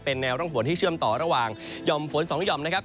แนวร่องฝนที่เชื่อมต่อระหว่างห่อมฝนสองหย่อมนะครับ